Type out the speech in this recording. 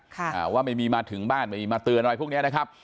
ค่ะอ่าว่าไม่มีมาถึงบ้านไม่มีมาเตือนอะไรพวกเนี้ยนะครับ